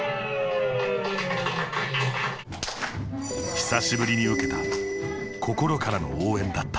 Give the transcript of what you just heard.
久しぶりに受けた心からの応援だった。